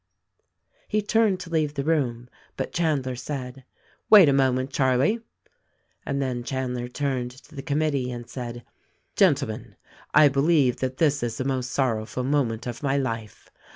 He turned to leave the room ; but Chandler said, "Wait a moment Charlie," and then Chandler turned to the com mittee and said, "Gentlemen, I believe that this is the most sorrowful moment of my life.